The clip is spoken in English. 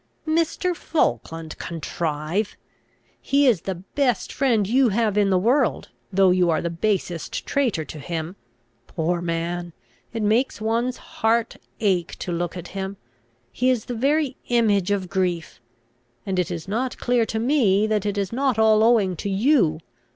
"Mr. Falkland contrive! He is the best friend you have in the world, though you are the basest traitor to him. Poor man! it makes one's heart ache to look at him; he is the very image of grief. And it is not clear to me that it is not all owing to you.